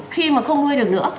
khi mà không nuôi được nữa